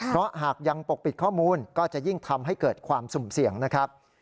เพราะหากยังปกปิดข้อมูลก็จะยิ่งทำให้เกิดความสุ่มเสี่ยงนะครับ